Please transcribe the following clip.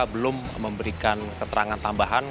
belum memberikan keterangan tambahan